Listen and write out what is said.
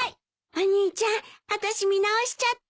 お兄ちゃんあたし見直しちゃった。